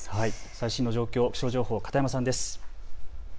最新の気象情報、片山さんです。